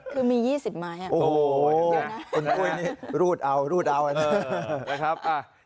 คือมี๒๐ไม้อ่ะโอ้โหคุณปุ้ยนี่รูดเอารูดเอานะครับ